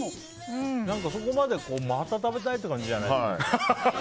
何か、そこまでまた食べたいって感じじゃない。